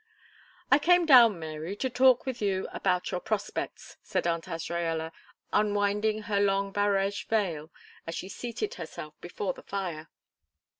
"I came down, Mary, to talk with you about your prospects," said Aunt Azraella, unwinding her long barège veil as she seated herself before the fire.